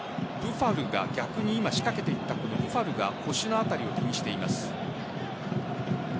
逆に仕掛けていったブファルが腰の辺りを気にしています。